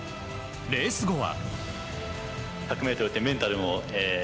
レース後は。